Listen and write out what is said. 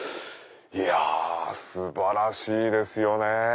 いや素晴らしいですよね。